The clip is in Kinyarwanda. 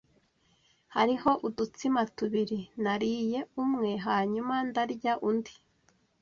Hariho udutsima tubiri. Nariye umwe hanyuma ndarya undi.